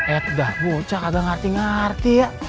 eh udah bocah kadang ngerti ngerti ya